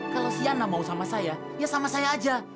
kalau siana mau sama saya ya sama saya aja